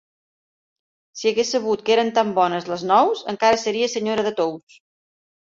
Si hagués sabut que eren tan bones les nous, encara seria senyora de Tous.